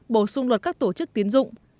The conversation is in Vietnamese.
bổ sung luật các tổ chức tín dụng